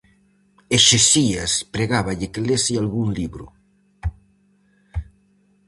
Hexesias pregáballe que lese algún libro.